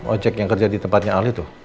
ojek yang kerja di tempatnya ahli tuh